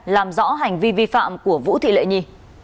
làm rõ hành vi vi phạm của vũ thị lệ nhi